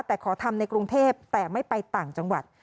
แต่ขอทำในกรุงเทพแต่ไม่ไปต่างจังหวัด